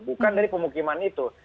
bukan dari pemukiman itu